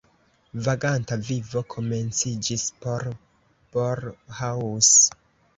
Vaganta vivo komenciĝis por Borrhaus.